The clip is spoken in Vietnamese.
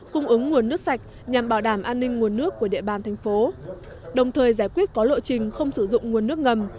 cung ứng nguồn nước sạch nhằm bảo đảm an ninh nguồn nước của địa bàn thành phố đồng thời giải quyết có lộ trình không sử dụng nguồn nước ngầm